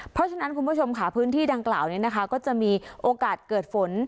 เพราะฉะนั้นคุณผู้ชมค่ะพื้นที่ดังกล่าวนี้นะคะก็จะมีโอกาสเกิดฝน